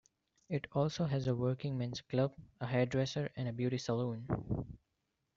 It has also a working men's club, a hairdresser and a beauty salon.